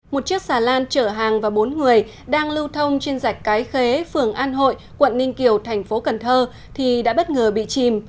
một chiếc xà lan chở hàng và bốn người đang lưu thông trên rạch cái khế phường an hội quận ninh kiều thành phố cần thơ thì đã bất ngờ bị chìm